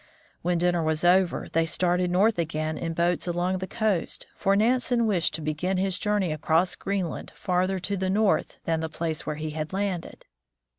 When dinner was over, they started north again in boats along the coast, for Nansen wished to begin his journey across Greenland farther to the north than the place where he had landed.